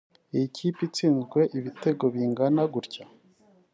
Iyi kipe itsinzwe ibitego bingana gutya